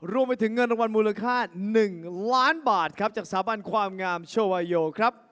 รวมไปถึงเงินรางวัลมูลค่า๑ล้านบาทครับจากสถาบันความงามโชวาโยครับ